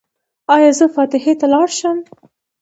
ایا زه فاتحې ته لاړ شم؟